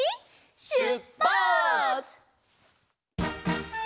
しゅっぱつ！